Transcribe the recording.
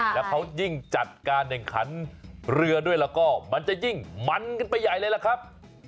แล้วเขายิ่งจัดการแข่งขันเรือด้วยแล้วก็มันจะยิ่งมันขึ้นไปใหญ่เลยล่ะครับ